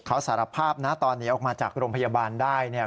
เขาสารภาพนะตอนนี้ออกมาจากโรงพยาบาลได้เนี่ย